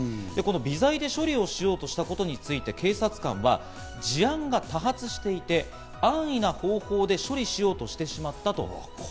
微罪で処理しようとしたことについて警察官は、事案が多発していて、安易な方法で処理しようとしてしまったということです。